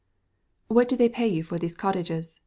"What do they pay you for these cottages?"